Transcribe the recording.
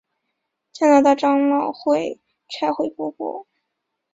加拿大长老会差会夫妇。